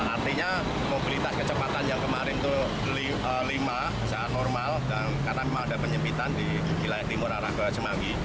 artinya mobilitas kecepatan yang kemarin itu lima sangat normal karena memang ada penyempitan di wilayah timur arah ke semanggi